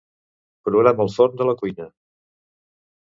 Programa el forn de la cuina.